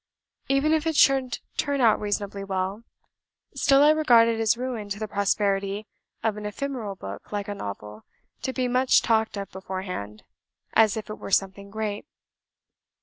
Even if it should turn out reasonably well, still I regard it as ruin to the prosperity of an ephemeral book like a novel, to be much talked of beforehand, as if it were something great.